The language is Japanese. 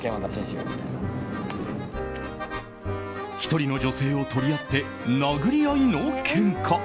１人の女性を取り合って殴り合いのけんか。